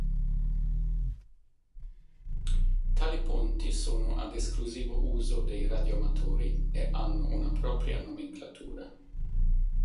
Tali ponti sono ad esclusivo uso dei radioamatori e hanno una propria nomenclatura.